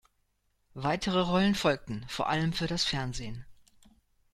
Weitere Rollen folgten, vor allem für das Fernsehen.